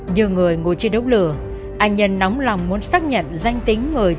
nhiều người ngồi trên đốc lửa anh nhân nóng lòng muốn xác nhận danh tính người tới số